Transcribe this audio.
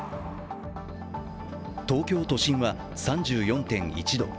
東京都心は３４．１度。